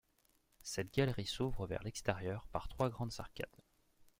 Cette galerie s'ouvre vers l'extérieur par trois grandes arcades.